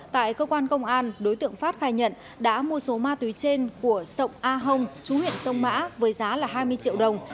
tại cơ quan công an đối tượng phát khai nhận đã mua số ma túy trên của sộng a hồng chú huyện sông mã với giá là hai mươi triệu đồng